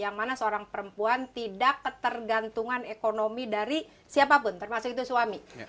yang mana seorang perempuan tidak ketergantungan ekonomi dari siapapun termasuk itu suami